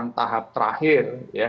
ini merupakan tahap terakhir ya